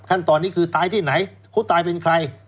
ขั้นตอนนี้คือตายที่ไหนคนตายเป็นใคร